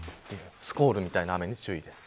スコールみたいな雨に注意です。